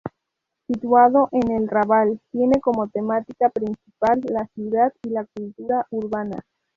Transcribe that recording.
Situado en el Raval, tiene como temática principal la ciudad y la cultura urbana.